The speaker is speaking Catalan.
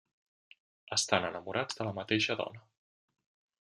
Estan enamorats de la mateixa dona.